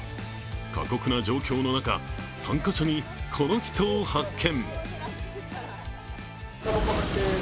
過酷な状況の中、参加者にこの人を発見。